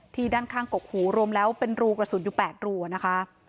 ด้านข้างกกหูรวมแล้วเป็นรูกระสุนอยู่๘รูนะคะ